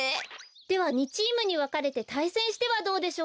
では２チームにわかれてたいせんしてはどうでしょう？